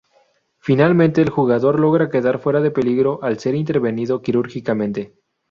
Finalmente el jugador logra quedar fuera de peligro al ser intervenido quirúrgicamente.